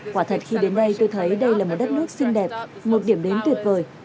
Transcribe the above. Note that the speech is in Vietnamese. quả thật khi đến đây tôi thấy đây là một đất nước xinh đẹp một điểm đến tuyệt vời